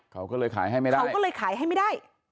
เขาก็เลยขายให้ไม่ได้